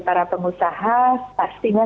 para pengusaha pastinya